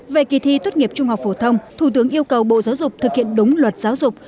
về kỳ thi tốt nghiệp trung học phổ thông thủ tướng yêu cầu bộ giáo dục thực hiện đúng luật giáo dục